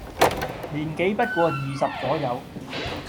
年紀不過二十左右，